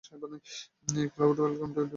Clyde Walcott দু'টি আত্মজীবনী প্রকাশ করেন।